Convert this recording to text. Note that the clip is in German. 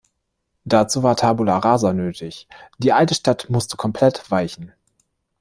Dazu war tabula rasa nötig: Die alte Stadt musste komplett weichen.